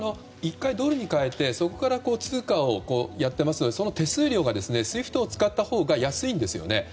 １回ドルに換えてそこから通貨をやっていますのでその手数料が、ＳＷＩＦＴを使ったほうが安いんですよね。